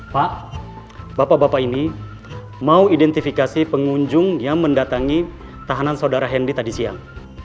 pak bapak bapak ini mau identifikasi pengunjung yang mendatangi tahanan saudara hendy tadi siang